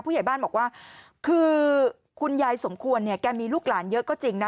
ผู้ใหญ่บ้านบอกว่าคือคุณยายสมควรเนี่ยแกมีลูกหลานเยอะก็จริงนะ